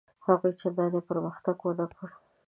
هغوی چنداني پرمختګ ونه کړ.